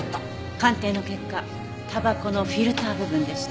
鑑定の結果タバコのフィルター部分でした。